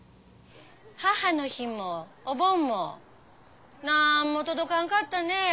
母の日もお盆もなんも届かんかったね。